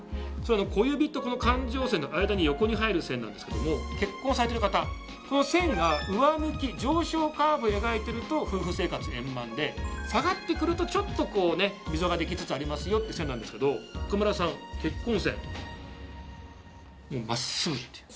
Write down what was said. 小指と感情線の間に横に入る線なんですけども結婚されてる方この線が上向き上昇カーブ描いてると夫婦生活円満で下がってくるとちょっと溝ができつつありますよっていう線なんですけど岡村さん結婚線。